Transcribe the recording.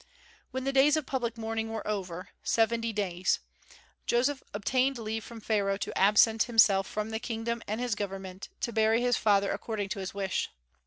When the days of public mourning were over (seventy days), Joseph obtained leave from Pharaoh to absent himself from the kingdom and his government, to bury his father according to his wish.